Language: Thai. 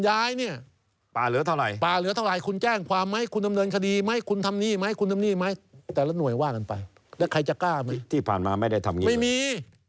ว่ากันไปและใครจะกล้ามั้ยที่ผ่านมาไม่ได้ทำงี้นะไม่มี